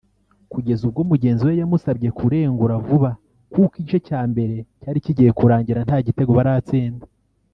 Kugeza ubwo mugenzi we yamusabye kurengura vuba kuko igice cya mbere cyari kigiye kurangira nta gitego baratsinda